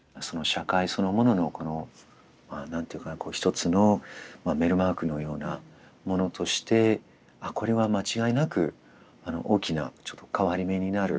社会そのもののこのまあ何ていうか一つのメルクマールのようなものとしてこれは間違いなく大きな変わり目になる。